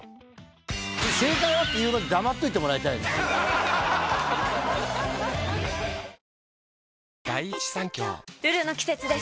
「正解は？」って言うまで黙っといてもらいたいな「ルル」の季節です。